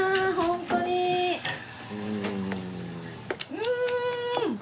うん！